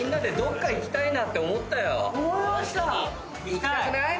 行きたくない？